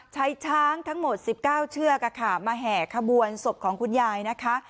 ใช้ช้างทั้งหมดสิบเก้าเชือกอ่ะค่ะมาแห่ขบวนศพของคุณยายนะคะ